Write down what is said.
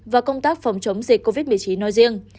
và công tác phòng chống dịch covid một mươi chín nói riêng